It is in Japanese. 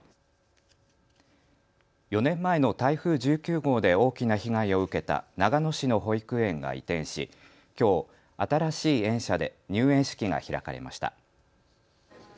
４年前の台風１９号で大きな被害を受けた長野市の保育園が移転しきょう新しい園舎で入園式が開かれました。